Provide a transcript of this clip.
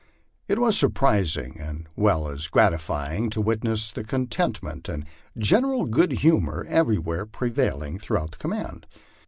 It was surprising as well as grat ifying to witness the contentment and general good humor everywhere pre vailing throughout the command.